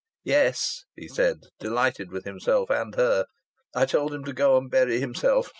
"Yes," he said, delighted with himself and her. "I told him to go and bury himself!"